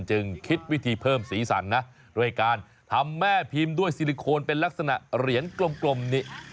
จึงคิดวิธีเพิ่มสีสันนะด้วยการทำแม่พิมพ์ด้วยซิลิโคนเป็นลักษณะเหรียญกลมนี่